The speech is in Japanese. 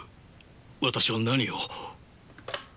私は何を。